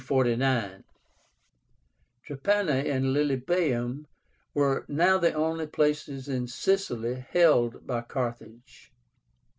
DREPANA and LILYBAEUM were now the only places in Sicily, held by Carthage.